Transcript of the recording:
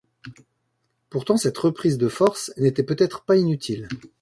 Pourtant cette reprise de forces n’était peut-être pas inutile.